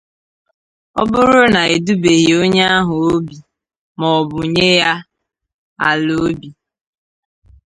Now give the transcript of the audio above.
ọ bụrụ na e dubèghị onye ahụ obi maọbụ nye ya ala obi